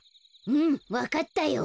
うんわかったよ。